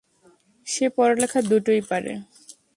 সে পড়ালেখা দুটোই পারে।